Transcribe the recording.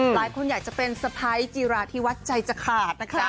หลายคนอยากจะเป็นสะพายกีฬาที่วัดใจจะขาด